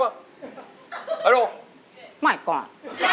เพื่อจะไปชิงรางวัลเงินล้าน